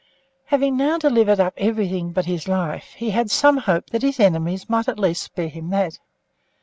Having now delivered up everything but his life, he had some hope that his enemies might at least spare him that.